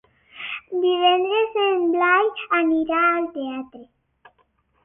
Divendres en Blai anirà al teatre.